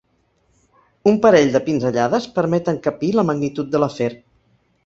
Un parell de pinzellades permeten capir la magnitud de l'afer.